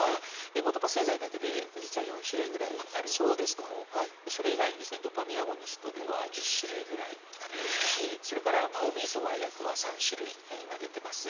レボドパ製剤だけで実は４種類ぐらいあるんですけれどもそれ以外にドパミンアゴニストでは１０種類ぐらいありますしそれからＭＡＯ−Ｂ阻害薬は３種類今出てます。